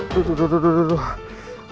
duduk duduk duduk